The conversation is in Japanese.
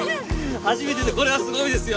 初めてでこれはすごいですよ！